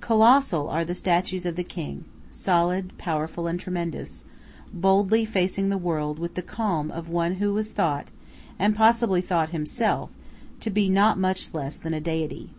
Colossal are the statues of the king, solid, powerful, and tremendous, boldly facing the world with the calm of one who was thought, and possibly thought himself, to be not much less than a deity.